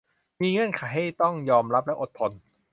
มีเงื่อนไขให้ต้องยอมรับและอดทน